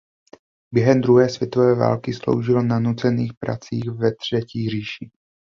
Během druhé světové války sloužil na nucených pracích ve Třetí říši.